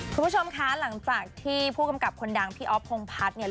คุณผู้ชมคะหลังจากที่ผู้กำกับคนดังพี่อ๊อฟพงพัฒน์เนี่ย